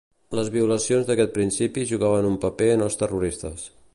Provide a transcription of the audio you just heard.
Les violacions d'aquest principi jugaven un paper en els terroristes.